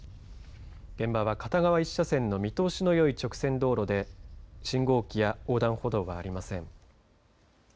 現場は片側１車線の見通しのよい直線道路で信号機や横断歩道はありません。